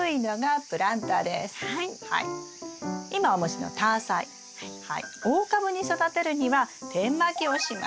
今お持ちのタアサイ大株に育てるには点まきをします